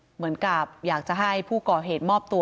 เหมือนกับอยากจะให้ผู้ก่อเหตุมอบตัว